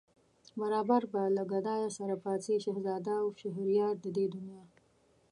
برابر به له گدايه سره پاڅي شهزاده و شهريار د دې دنیا